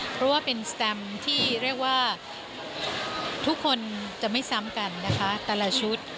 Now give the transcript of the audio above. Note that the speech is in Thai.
เพราะว่าเป็นสแตมที่เรียกว่าทุกคนจะไม่ซ้ำกันนะคะแต่ละชุด